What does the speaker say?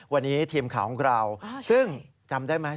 วันนี้ทีมข่าวของเราซึ่งจำได้ไหม